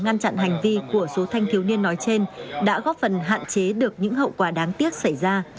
ngăn chặn hành vi của số thanh thiếu niên nói trên đã góp phần hạn chế được những hậu quả đáng tiếc xảy ra